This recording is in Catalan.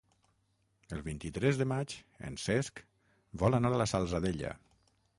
El vint-i-tres de maig en Cesc vol anar a la Salzadella.